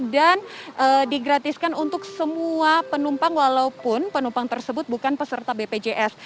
dan digratiskan untuk semua penumpang walaupun penumpang tersebut bukan peserta bpjs